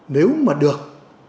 nếu mà được